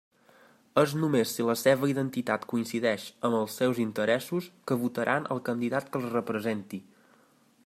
És només si la seva identitat coincideix amb els seus interessos, que votaran el candidat que els representi.